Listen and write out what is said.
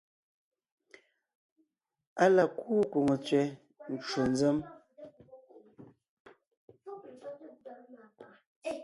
Á la kúu kwòŋo tsẅɛ ncwò nzěm,